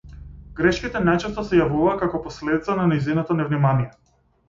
Грешките најчесто се јавуваа како последица на нејзиното невнимание.